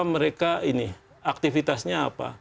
mereka ini aktivitasnya apa